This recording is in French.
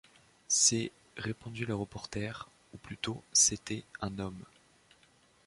C’est, répondit le reporter, ou plutôt c’était un homme